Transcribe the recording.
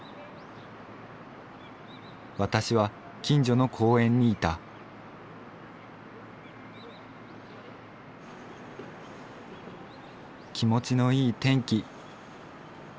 私は近所の公園にいた気持ちのいい天気。